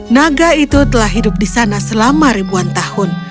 naga itu telah hidup di sana selama ribuan tahun